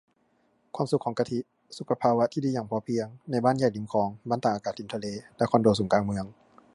ความสุขของกะทิ สุขภาวะที่ดีอย่างพอเพียง ในบ้านใหญ่ริมคลอง บ้านตากอากาศริมทะเล และคอนโดสูงกลางเมือง